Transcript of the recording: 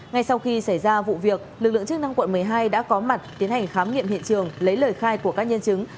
ngay sau khi xảy ra vụ việc lực lượng chức năng quận một mươi hai đã có mặt tiến hành khám nghiệm hiện trường lấy lời khai của các nhân chứng